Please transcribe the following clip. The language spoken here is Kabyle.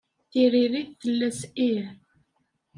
Tiririt tella s "ih".